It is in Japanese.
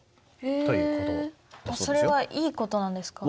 それはいいことなんですか？